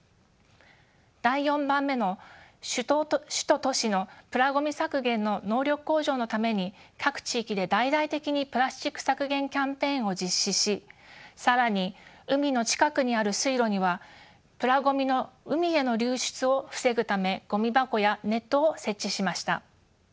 第４番目の主要都市のプラごみ削減の能力向上のために各地域で大々的にプラスチック削減キャンペーンを実施し更に海の近くにある水路にはプラごみの海への流出を防ぐためごみ箱やネットを設置しました。